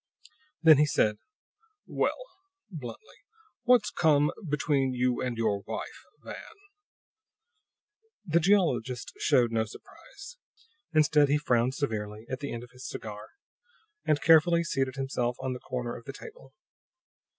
Then he said: "Well," bluntly, "what's come between you and your wife, Van?" The geologist showed no surprise. Instead, he frowned severely at the end of his cigar, and carefully seated himself on the corner of the table.